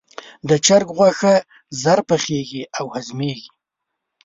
د چرګ غوښه ژر پخیږي او هضمېږي.